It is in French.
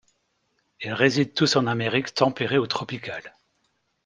Ils résident tous en Amérique tempérée ou tropicale.